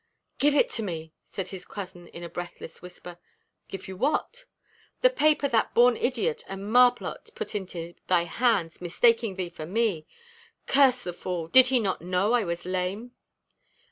"Give it to me," said his cousin in a breathless whisper. "Give you what?" "The paper that born idiot and marplot put into thy hands, mistaking thee for me. Curse the fool! Did he not know I was lame?"